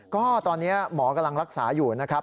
ก็ตอนนี้หมอกำลังรักษาอยู่นะครับ